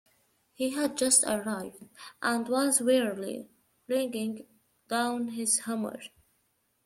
He had just arrived, and was wearily flinging down his hammer.